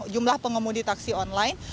jumlah pengemudi taksi online